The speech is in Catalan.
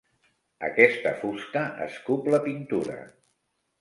Aquesta fusta escup la pintura.